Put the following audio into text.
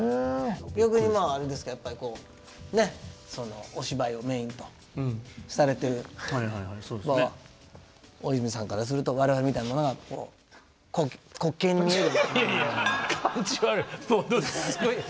逆にまああれですかやっぱりこうお芝居をメインとされてる大泉さんからすると我々みたいなものはいやいや感じ悪い。